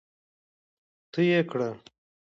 تو يې کړل.